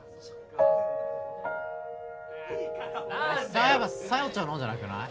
そういえば小夜ちゃん飲んでなくない？